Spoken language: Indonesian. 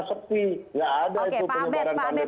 seperti tidak ada itu penyebaran